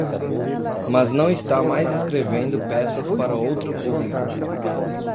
Mas não está mais escrevendo peças para outro público.